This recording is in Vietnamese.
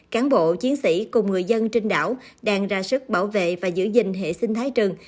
cán bộ chiến sĩ cùng người dân trên đảo đang ra sức bảo vệ và giữ gìn hệ sinh thái rừng